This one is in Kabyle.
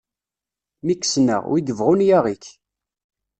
Mi k-ssneɣ, wi ibɣun yaɣ-ik!